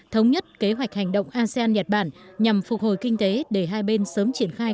thống nhất kế hoạch hành động asean nhật bản nhằm phục hồi kinh tế để hai bên sớm triển khai